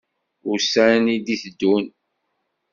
Ussan i d-iteddun.